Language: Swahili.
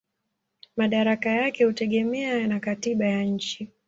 Madaraka yake hutegemea na katiba ya nchi.